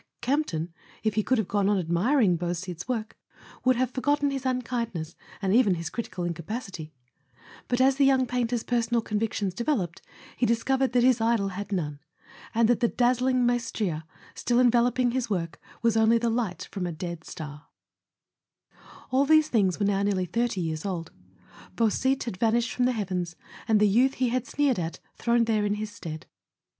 Campton, if he could have gone on admiring Beau site's work, would have forgotten his unkindness and even his critical incapacity; but as the young painter's personal convictions developed he discovered that his idol had none, and that the dazzling maestria still en¬ veloping his work was only the light from a dead star. [I] A SON AT THE FRONT All these things were now nearly thirty years old. Beausite had vanished from the heavens, and the youth he had sneered at throned there in his stead.